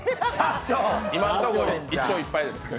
今のところ、１勝１敗です。